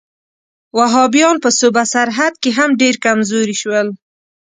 وهابیان په صوبه سرحد کې هم ډېر کمزوري شول.